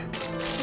terima kasih ya bu